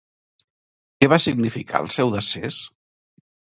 Què va significar el seu decés?